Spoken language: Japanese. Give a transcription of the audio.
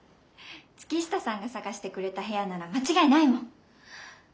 月下さんが探してくれた部屋なら間違いないもん。